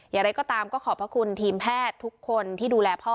อย่างไรก็ตามก็ขอบพระคุณทีมแพทย์ทุกคนที่ดูแลพ่อ